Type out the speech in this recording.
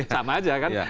sama aja kan